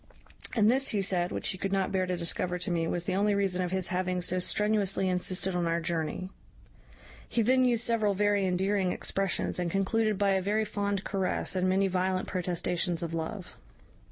And this, he said, which he could not bear to discover to me, was the only reason of his having so strenuously insisted on our journey. He then used several very endearing expressions, and concluded by a very fond caress, and many violent protestations of love.